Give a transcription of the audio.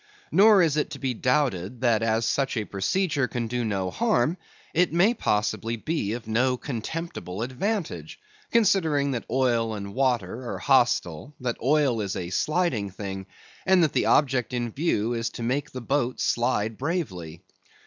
Nor is it to be doubted that as such a procedure can do no harm, it may possibly be of no contemptible advantage; considering that oil and water are hostile; that oil is a sliding thing, and that the object in view is to make the boat slide bravely.